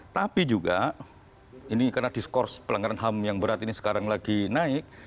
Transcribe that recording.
tapi juga ini karena diskurs pelanggaran ham yang berat ini sekarang lagi naik